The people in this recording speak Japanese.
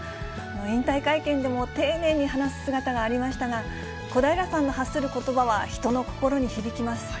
引退会見でも丁寧に話す姿がありましたが、小平さんが発することばは、人の心に響きます。